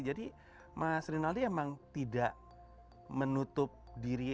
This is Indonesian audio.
jadi mas rinaldi emang tidak menutup diri